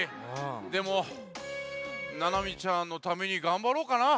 でもななみちゃんのためにがんばろうかな。